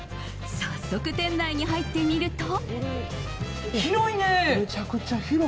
早速、店内に入ってみると。